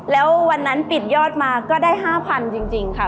แล้ววันนั้นปิดยอดมาก็ได้๕๐๐๐จริงค่ะ